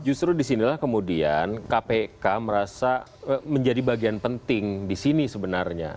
justru disinilah kemudian kpk merasa menjadi bagian penting di sini sebenarnya